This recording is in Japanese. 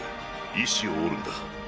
意思を折るんだ。